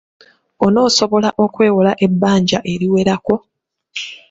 Onoosobola okwewola ebbanja eriwerako?